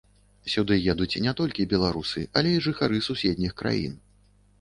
Сюды едуць не толькі беларусы, але і жыхары суседніх краін.